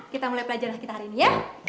kita mulai pelajaran kita hari ini ya